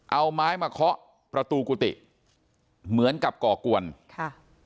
เอาไม้มาเคาะประตูกุฏิเหมือนกับก่อกวนค่ะ